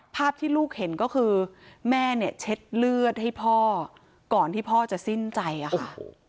ภาพที่ลูกเห็นก็คือแม่เนี่ยเช็ดเลือดให้พ่อก่อนที่พ่อจะสิ้นใจอะค่ะ